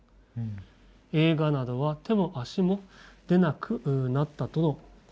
映画などは手も足も出なくなったとの話」。